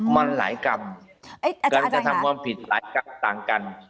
มันหลายกรรมการกระทำความผิดหลายกรรมต่างกัน